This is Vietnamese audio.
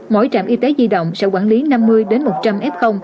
mỗi trạm y tế di động sẽ quản lý năm mươi một trăm linh f